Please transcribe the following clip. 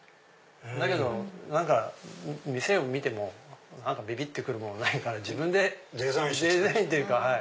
だけど店を見てもビビ！ってくるものがないから自分でデザインというかはい。